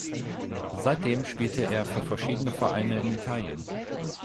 Seitdem spielte er für verschiedene Vereine in Italien.